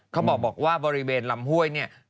เขาบอกว่าบริเวณลำห้วยเนี่ย